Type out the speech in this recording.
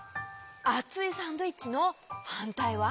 あついサンドイッチのはんたいは？